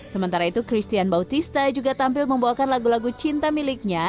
sementara itu christian bautista juga tampil membawakan lagu lagu cinta miliknya